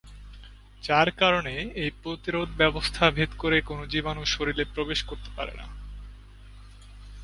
যার কারনে এই প্রতিরোধ ব্যবস্থা ভেদ করে কোনো জীবাণু শরীরে প্রবেশ করতে পারে না।